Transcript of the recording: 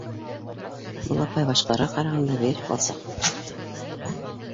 Был апай башҡаларға ҡарағанда бигерәк алсаҡ булып сыҡты.